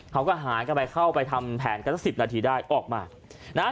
เขาก็หายกันไปเข้าไปทำแผนกันสักสิบนาทีได้ออกมานะฮะ